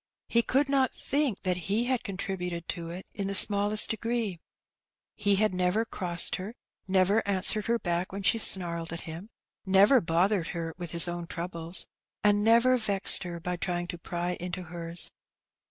He could not think that he had contributed to it in the smallest degree. He had never crossed her, never answered her back when she snarled at him, never bothered her with his own troubles, and never vexed her by trying to pry into hers.